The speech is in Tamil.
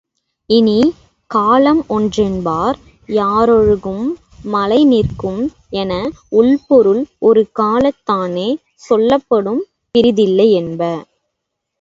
இனி, காலம் ஒன்றென்பார், யாறொழுகும் மலை நிற்கும் என உள்பொருள் ஒரு காலத்தானே சொல்லப்படும் பிறிதில்லையென்ப.